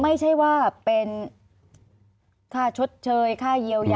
ไม่ใช่ว่าเป็นค่าชดเชยค่าเยียวยา